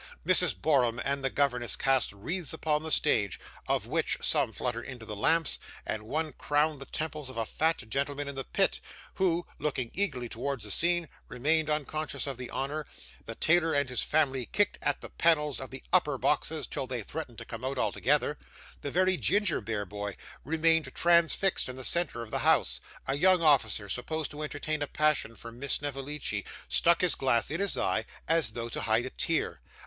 Mrs. Borum and the governess cast wreaths upon the stage, of which, some fluttered into the lamps, and one crowned the temples of a fat gentleman in the pit, who, looking eagerly towards the scene, remained unconscious of the honour; the tailor and his family kicked at the panels of the upper boxes till they threatened to come out altogether; the very ginger beer boy remained transfixed in the centre of the house; a young officer, supposed to entertain a passion for Miss Snevellicci, stuck his glass in his eye as though to hide a tear.